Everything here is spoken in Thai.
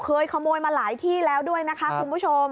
เคยขโมยมาหลายที่แล้วด้วยนะคะคุณผู้ชม